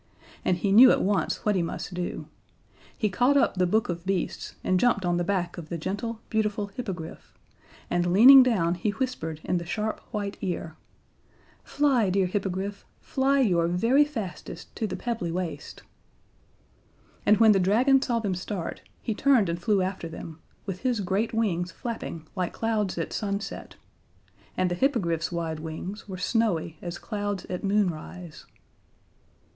And he knew at once what he must do. He caught up The Book of Beasts and jumped on the back of the gentle, beautiful Hippogriff, and leaning down he whispered in the sharp, white ear: "Fly, dear Hippogriff, fly your very fastest to the Pebbly Waste." And when the Dragon saw them start, he turned and flew after them, with his great wings flapping like clouds at sunset, and the Hippogriff's wide wings were snowy as clouds at moonrise.